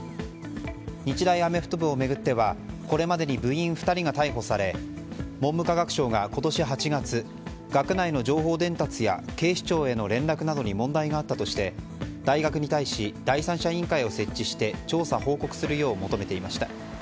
日大アメフト部を巡ってはこれまでに部員２人が逮捕され文部科学省が今年８月学内の情報伝達や警視庁への連絡などに問題があったとして大学に対し第三者委員会を設置して調査・報告するよう求めていました。